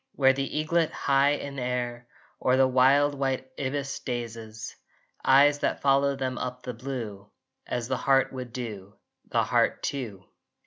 Where the eaglet, high in air, Or the wild white ibis, dazes Eyes that follow them up the blue, As the heart would do, the heart too!